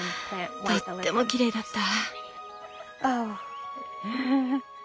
とってもきれいだった。